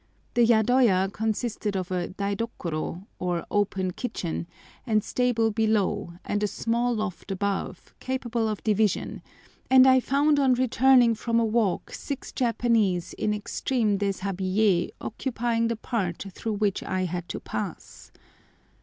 The yadoya consisted of a daidokoro, or open kitchen, and stable below, and a small loft above, capable of division, and I found on returning from a walk six Japanese in extreme déshabillé occupying the part through which I had to pass.